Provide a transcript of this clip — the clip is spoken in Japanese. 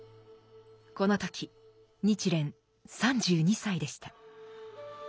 この時日蓮３２歳でした。